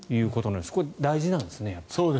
これは大事なんですね。